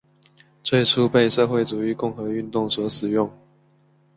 最初被社会主义共和运动所使用。